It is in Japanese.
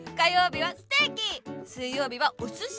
水曜日はおすし！